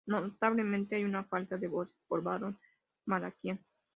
Notablemente, hay una falta de voces por Daron Malakian.